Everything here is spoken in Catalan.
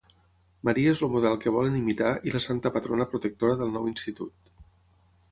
Maria és el model que volen imitar i la santa patrona protectora del nou institut.